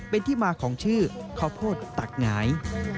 เป็นที่มาของชื่อข้าวโพดตักหงาย